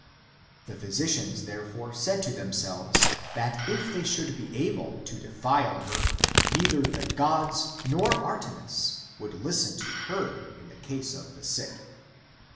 The physicians therefore said to themselves, that if they should be able to defile her, neither the gods nor Artemis would listen to her in the case of the sick.